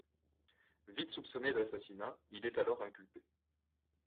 Vite soupçonné d'assassinat, il est alors inculpé.